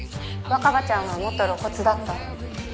若葉ちゃんはもっと露骨だった。